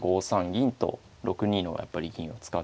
銀と６二のやっぱり銀を使っていく手ですね。